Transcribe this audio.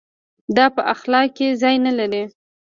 دا په اخلاق کې ځای نه لري.